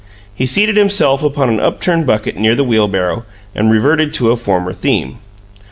He seated himself upon an upturned bucket near the wheelbarrow, and reverted to a former theme.